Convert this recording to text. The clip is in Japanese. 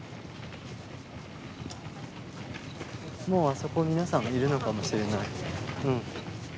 もうあそこ皆さんいるのかもしれない。